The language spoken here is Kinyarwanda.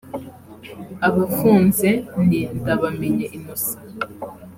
Abafunze ni Ndabamenye Innocent